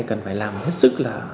cần phải làm hết sức